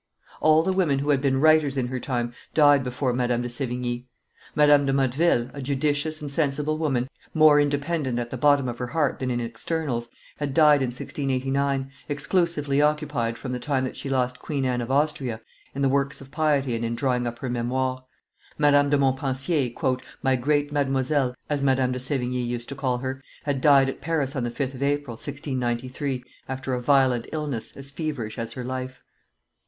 All the women who had been writers in her time died before Madame de Sevigne. Madame de Motteville, a judicious and sensible woman, more independent at the bottom of her heart than in externals, had died in 1689, exclusively occupied, from the time that she lost Queen Anne of Austria, in works of piety and in drawing up her Memoires. Mdlle. de Montpensier, "my great Mademoiselle," as Madame de Sevigne used to call her, had died at Paris on the 5th of April, 1693, after a violent illness, as feverish as her life.